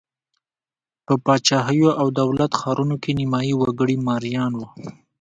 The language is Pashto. په پاچاهیو او دولت ښارونو کې نیمايي وګړي مریان وو.